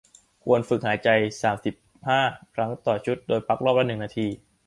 ควรฝึกหายใจ สามสิบห้า ครั้งต่อชุด โดยพักรอบละ หนึ่ง นาที